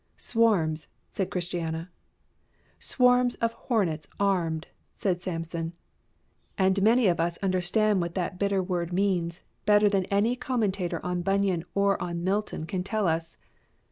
Swarms, said Christiana. Swarms of hornets armed, said Samson. And many of us understand what that bitter word means better than any commentator on Bunyan or on Milton can tell us.